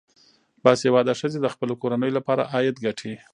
باسواده ښځې د خپلو کورنیو لپاره عاید ګټي.